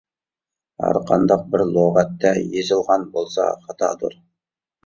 ھەرقانداق بىر لۇغەتتە يېزىلغان بولسا خاتادۇر.